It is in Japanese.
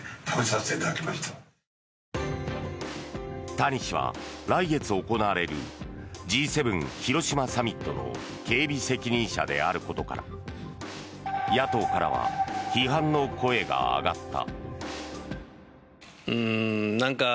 谷氏は来月行われるＧ７広島サミットの警備責任者であることから野党からは批判の声が上がった。